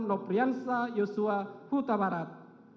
nopiansa yosua kutabarat